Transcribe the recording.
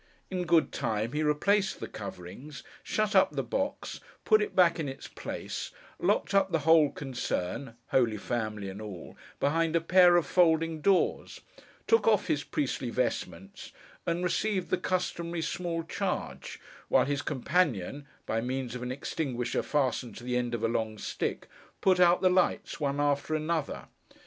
In good time, he replaced the coverings, shut up the box, put it back in its place, locked up the whole concern (Holy Family and all) behind a pair of folding doors; took off his priestly vestments; and received the customary 'small charge,' while his companion, by means of an extinguisher fastened to the end of a long stick, put out the lights, one after another.